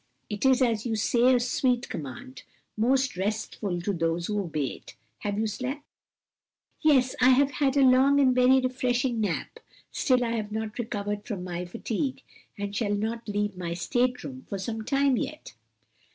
"It is, as you say, a sweet command, most restful to those who obey it. Have you slept?" "Yes, I have had a long and very refreshing nap; still I have not recovered from my fatigue, and shall not leave my state room for some time yet."